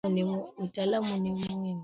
Mtaala ni muhimu